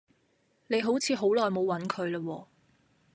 你好似好耐冇揾佢啦喎